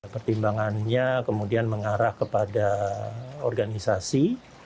pertimbangannya kemudian mengarah kepada organisasi